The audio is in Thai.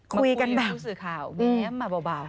คุยกันแบบนี้แง้มมาเบา